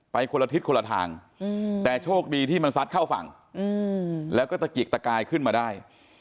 คนละทิศคนละทางแต่โชคดีที่มันซัดเข้าฝั่งแล้วก็ตะกิกตะกายขึ้นมาได้